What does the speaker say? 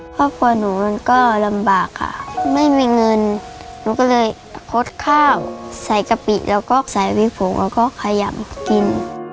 ครอบครัวหนูมันก็ลำบากค่ะไม่มีเงินหนูก็เลยคดข้าวใส่กะปิแล้วก็ใส่ไปฝูงแล้วก็ขยำกิน